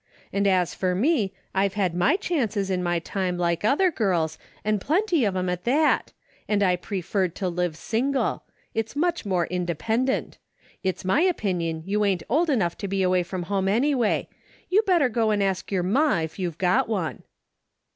And as for me, I've had my chances in my time like other girls, and plenty of 'em at that, an' I perferred to live single. It's much more independent. It's my opinion you ain't old enough to be away from home anyway. You better go back to your ma if you've got one."